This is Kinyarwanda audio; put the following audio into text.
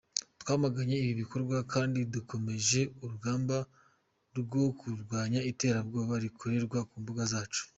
Twamaganye ibi bikorwa kandi dukomeje urugamba rwo kurwanya iterabwoba rikorerwa ku mbuga zacu.